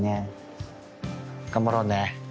頑張ろうね。